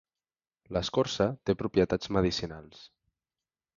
L'escorça té propietats medicinals.